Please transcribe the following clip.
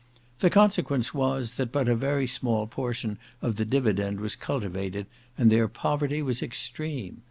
The consequence was, that but a very small portion of the dividend was cultivated, and their poverty was extreme.